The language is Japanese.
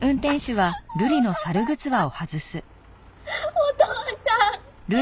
お父さん！